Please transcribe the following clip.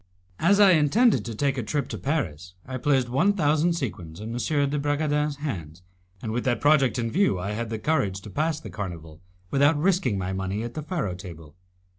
As I intended to take a trip to Paris, I placed one thousand sequins in M. de Bragadin's hands, and with that project in view I had the courage to pass the carnival without risking my money at the faro table.